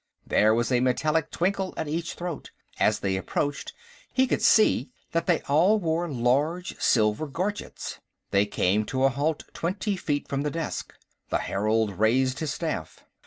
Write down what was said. There was a metallic twinkle at each throat; as they approached, he could see that they all wore large silver gorgets. They came to a halt twenty feet from the desk. The herald raised his staff.